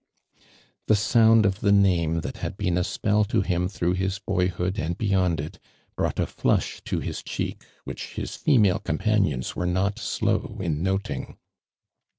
The sound of the name that had been a spell to him through his boyhood and be yond it, brought a flush to his cheek which his female companions were not slow in noting.